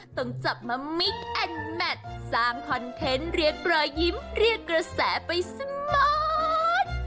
ต้องจับมามิกแอนดแมทสร้างคอนเทนต์เรียกรอยยิ้มเรียกกระแสไปเสมอ